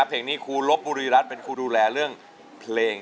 เพลงนี้คูลพุรีรัติเป็นคูห์ดูแลเรื่อง